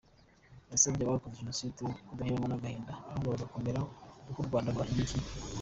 Yasabye abarokotse Jenoside kudaheranwa n’agahinda ahubwo bagakomera kuko u Rwanda rubashyigikiye.